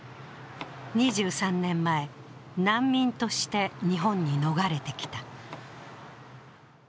２３年前、難民として日本に逃れてきた。